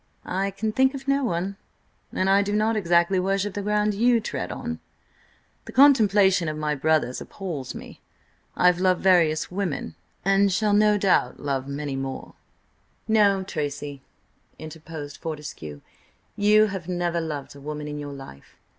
"I can think of no one. And I do not exactly worship the ground you tread on. The contemplation of my brothers appals me. I have loved various women, and shall no doubt love many more—" "No, Tracy," interposed Fortescue, "you have never loved a woman in your life.